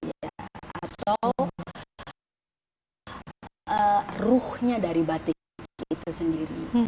atau ruhnya dari batik itu sendiri